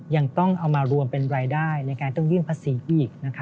ยังต้องเอามารวมเป็นรายได้ในการต้องยื่นภาษีอีกนะคะ